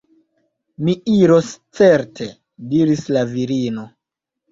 Mi iros certe, diris la virino.